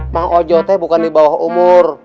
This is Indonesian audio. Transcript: mang ojo teh bukan dibawah umur